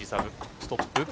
ストップ。